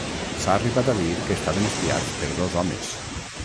S'ha arribat a dir que estaven espiats per dos homes.